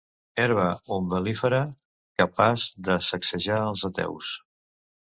Herba umbel·lífera capaç de sacsejar els ateus.